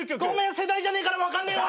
世代じゃねえから分かんねえわ。